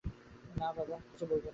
না বাবা, কিছু বলব না।